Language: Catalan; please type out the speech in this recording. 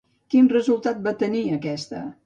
Quin resultat va tenir aquesta?